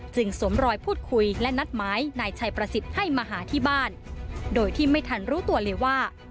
สวมรอยพูดคุยและนัดหมายนายชัยประสิทธิ์ให้มาหาที่บ้านโดยที่ไม่ทันรู้ตัวเลยว่า